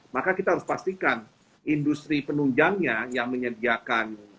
maka kita harus pastikan industri penunjangnya yang menyediakan